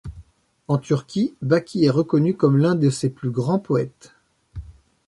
En Turquie, Bâkî est reconnu comme l'un de ses plus grands poètes.